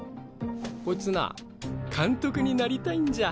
こいつな監督になりたいんじゃ。